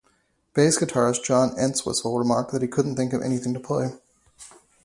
Bass guitarist John Entwistle remarked that he couldn't think of anything to play.